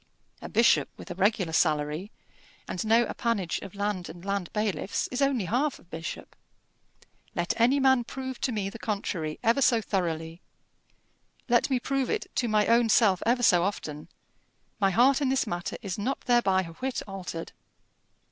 A bishop with a regular salary, and no appanage of land and land bailiffs, is only half a bishop. Let any man prove to me the contrary ever so thoroughly let me prove it to my own self ever so often my heart in this matter is not thereby a whit altered.